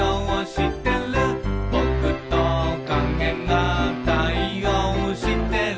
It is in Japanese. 「ぼくと影が対応してる」